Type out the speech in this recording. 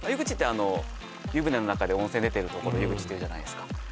湯船の中で温泉出てるところ湯口っていうじゃないですか